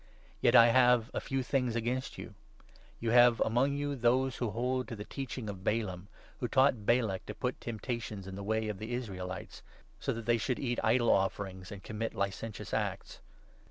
Yet I have a few things against you — You have 14 among you those who hold to the Teaching of Balaam, who taught Balak to put temptations in the way of the Israelites, so that they should eat idol offerings and commit licentious acts.